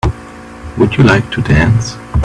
Would you like to dance?